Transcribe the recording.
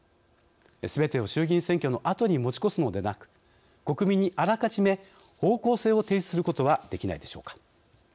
すべてを衆議院選挙のあとに持ち越すのでなく国民にあらかじめ方向性を提示することはできないでしょうか。